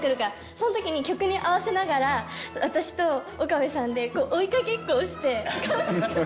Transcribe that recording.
その時に曲に合わせながら私と岡部さんで追いかけっこをして。